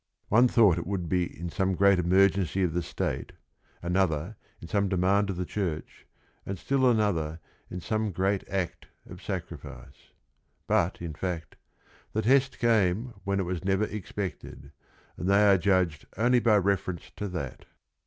One thought it would be in some great emergency of the State, another in some de mand of the church, and still another in some great act of sacrifice. But in fact, the test came when it was never expected, and they are judged only by reference to that.